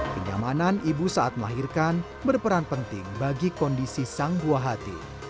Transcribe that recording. kenyamanan ibu saat melahirkan berperan penting bagi kondisi sang buah hati